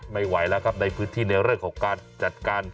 ไม่ไหวแล้วครับในพื้นที่ในเรื่องของการจัดการ